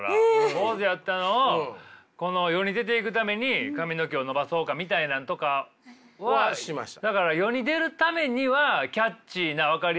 坊主やったのをこの世に出ていくために髪の毛を伸ばそうかみたいなのとかは。はしました。